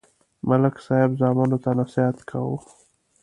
ملک صاحب زامنو ته نصحت کاوه